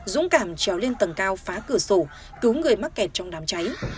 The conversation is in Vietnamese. dũng cảm treo lên tầng cao phá cửa sổ cứu người mắc kẹt trong đám cháy